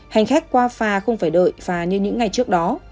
hành khách qua phà không phải đợi pha như những ngày trước đó